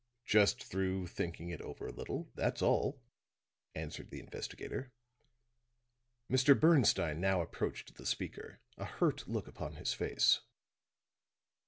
"Just through thinking it over a little, that's all," answered the investigator. Mr. Bernstine now approached the speaker, a hurt look upon his face.